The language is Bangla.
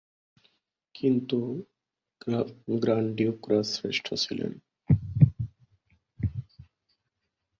কিন্তু, গ্র্যান্ড ডিউকরা শ্রেষ্ঠ ছিলেন।